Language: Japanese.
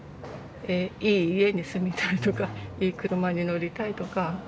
いい家に住みたい」とか「いい車に乗りたい」とか。